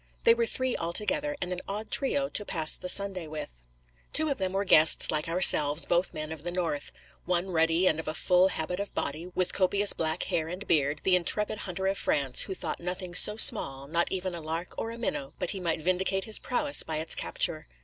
They were three altogether, and an odd trio to pass the Sunday with. Two of them were guests like ourselves, both men of the north. One ruddy, and of a full habit of body, with copious black hair and beard, the intrepid hunter of France, who thought nothing so small, not even a lark or a minnow, but he might vindicate his prowess by its capture.